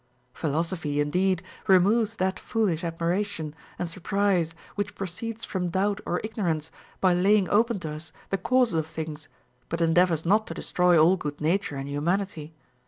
Philosophy indeed re moves that foolish admiration and surprise which proceeds OF HEARING. 455 from doubt or ignorance, by laying open to us the causes of things, but endeavors not to destroy all good nature and humanity.